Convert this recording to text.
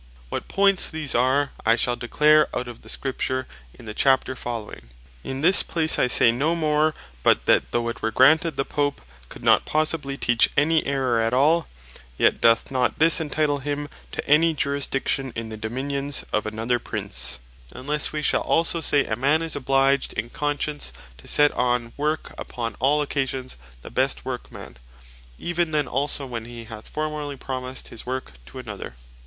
What points these are, I shall declare out of the Scripture in the Chapter following. In this place I say no more, but that though it were granted, the Pope could not possibly teach any error at all, yet doth not this entitle him to any Jurisdiction in the Dominions of another Prince, unlesse we shall also say, a man is obliged in conscience to set on work upon all occasions the best workman, even then also when he hath formerly promised his work to another.